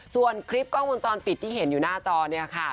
ส่วนคลิปกล้องวงจรปิดที่เห็นอยู่หน้าจอเนี่ยค่ะ